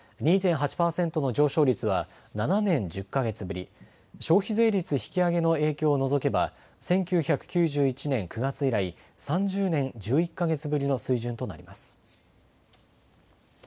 ２．８％の上昇率は７年１０か月ぶり、消費税率引き上げの影響を除けば、１９９１年９月以来、３０年１１か月ぶりの水準となります。